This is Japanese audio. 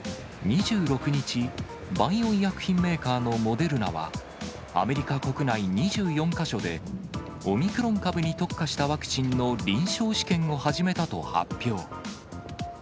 ２６日、バイオ医薬品メーカーのモデルナは、アメリカ国内２４か所で、オミクロン株に特化したワクチンの臨床試験を始めたと発表。